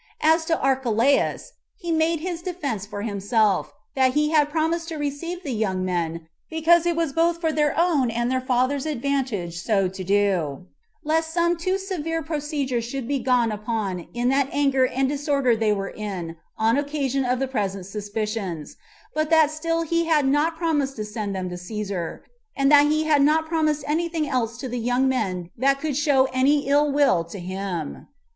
As to Archelaus, he made his defense for himself, that he had promised to receive the young men, because it was both for their own and their father's advantage so to do, lest some too severe procedure should be gone upon in that anger and disorder they were in on occasion of the present suspicions; but that still he had not promised to send them to Cæsar; and that he had not promised any thing else to the young men that could show any ill will to him.